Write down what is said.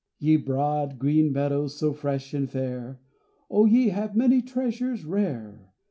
Ye broad, green Meadows, so fresh and fair, Oh, ye have many a treasure rare!